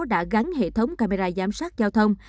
đã gắn hệ thống camera giám sát giao thông